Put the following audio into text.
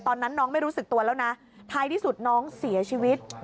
ตอนนั้นน้องไม่รู้สึกตัวแล้วนะท้ายที่สุดน้องเสียชีวิต